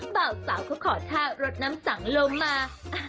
เบาสาวเขาขอท่ารถน้ำสังลมมา